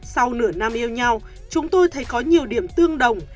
sau nửa năm yêu nhau chúng tôi thấy có nhiều điểm tương đồng